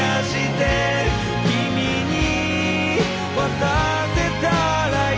「君に渡せたらいい」